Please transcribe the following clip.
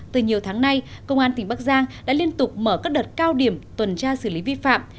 từ nhiều tháng nay công an tỉnh bắc giang đã liên tục mở các đợt cao điểm tuần tra xử lý vi phạm